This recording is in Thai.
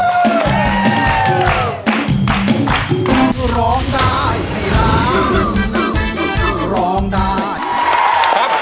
ครับ